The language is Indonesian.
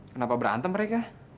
kenapa berantem mereka